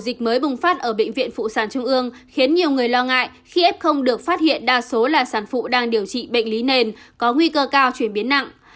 dịch mới bùng phát ở bệnh viện phụ sản trung ương khiến nhiều người lo ngại khi f được phát hiện đa số là sản phụ đang điều trị bệnh lý nền có nguy cơ cao chuyển biến nặng